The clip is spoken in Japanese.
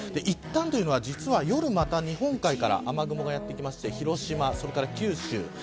いったんというのは実は夜、また日本海から雨雲がやってきて広島、それから九州。